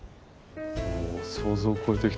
もう想像を超えてきた。